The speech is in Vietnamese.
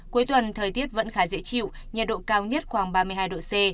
cuối tuần thời tiết vẫn khá dễ chịu nhiệt độ cao nhất khoảng ba mươi hai độ c